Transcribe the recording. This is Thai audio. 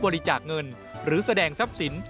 ๕เงินจากการรับบุคคลหรือนิติบุคคล